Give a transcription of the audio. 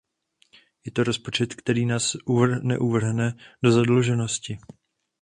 Je to rozpočet, který nás neuvrhne do zadluženosti.